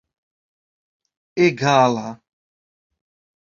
egala